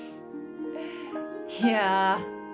いや。